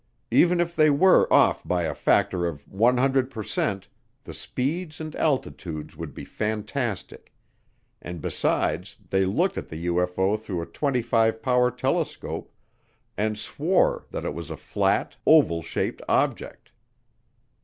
Even if they were off by a factor of 100 per cent, the speeds and altitudes would be fantastic, and besides they looked at the UFO through a 25 power telescope and swore that it was a flat, oval shaped object.